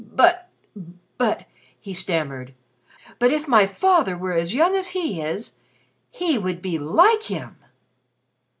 "But but " he stammered, "but if my father were as young as he is he would be like him!"